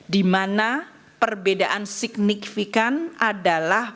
di mana perbedaan signifikan adalah